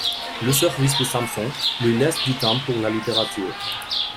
Le service de Sampson lui laisse du temps pour la littérature.